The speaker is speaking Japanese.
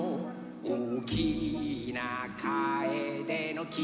「おおきなカエデの木」